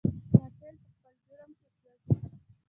قاتل په خپل جرم کې سوځي